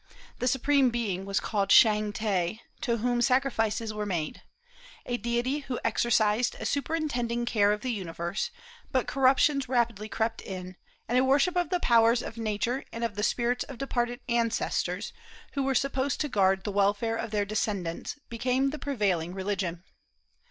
The supreme being was called Shang te, to whom sacrifices were made, a deity who exercised a superintending care of the universe; but corruptions rapidly crept in, and a worship of the powers of Nature and of the spirits of departed ancestors, who were supposed to guard the welfare of their descendants, became the prevailing religion.